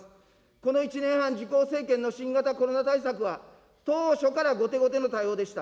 この１年半、自公政権の新型コロナ対策は当初から後手後手の対応でした。